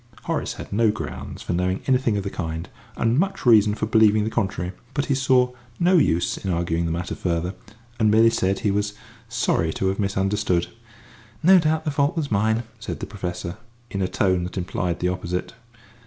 Horace had no grounds for knowing anything of the kind, and much reason for believing the contrary, but he saw no use in arguing the matter further, and merely said he was sorry to have misunderstood. "No doubt the fault was mine," said the Professor, in a tone that implied the opposite.